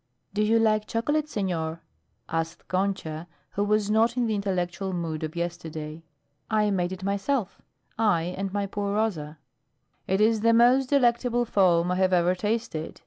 "Do you like chocolate, senor?" asked Concha, who was not in the intellectual mood of yesterday. "I made it myself I and my poor Rosa." "It is the most delectable foam I have ever tasted.